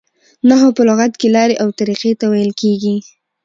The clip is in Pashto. نحوه په لغت کښي لاري او طریقې ته ویل کیږي.